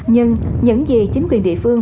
nhưng những gì chính quyền địa phương